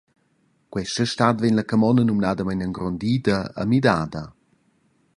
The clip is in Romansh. Questa stad vegn la camona numnadamein engrondida e midada.